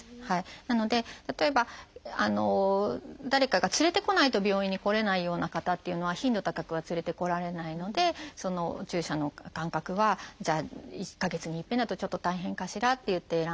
なので例えば誰かが連れてこないと病院に来れないような方っていうのは頻度高くは連れてこられないのでお注射の間隔はじゃあ１か月に一遍だとちょっと大変かしらっていって選んだりとか。